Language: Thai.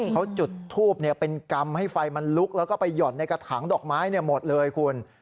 เขาจุดทูบเป็นกรรมให้ไฟมันลุกแล้วก็ไปห่อนในกระถางดอกไม้หมดเลยคุณ